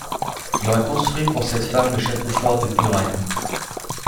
Il aurait construit pour cette femme le château fort de Büren.